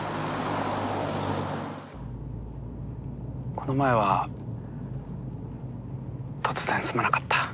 この前は突然すまなかった。